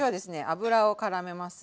油をからめます。